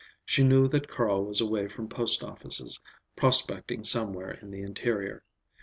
She knew that Carl was away from post offices, prospecting somewhere in the interior.